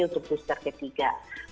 untuk booster ketiga